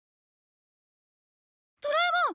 ドラえもん！